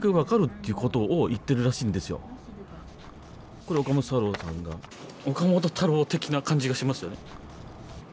これ、岡本太郎さんが、岡本太郎的な感じがしますよね。